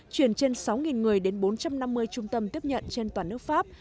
chuyển trên sáu người đến bốn trăm năm mươi trung tâm tiếp nhận trên toàn nước pháp